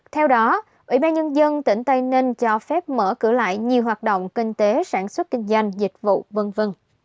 theo đó ủy ban nhân dân tỉnh tây ninh cho phép mở cửa lại nhiều hoạt động kinh tế sản xuất kinh doanh dịch vụ v v